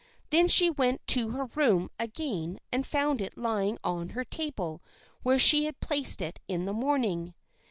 Then she went to her room again and found it lying on her table where she had placed it in the morning.